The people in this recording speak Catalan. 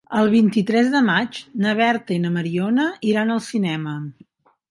El vint-i-tres de maig na Berta i na Mariona iran al cinema.